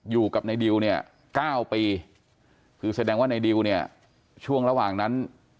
อยู่กับในดิวเนี่ย๙ปีคือแสดงว่าในดิวเนี่ยช่วงระหว่างนั้น